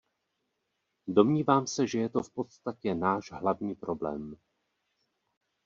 Domnívám se, že to je v podstatě náš hlavní problém.